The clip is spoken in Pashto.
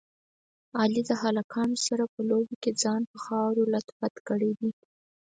علي د هلکانو سره په لوبو کې ځان په خاورو لت پت کړی دی.